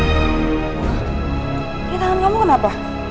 ini tangan kamu kenapa